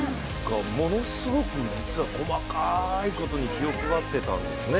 ものすごく実は細かいことに気を配っていたんですね。